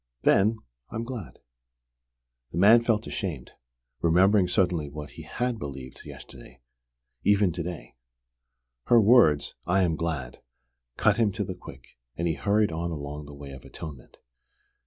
Then I am glad." The man felt ashamed, remembering suddenly what he had believed yesterday even to day. Her words, "I am glad," cut him to the quick, and he hurried on along the way of atonement.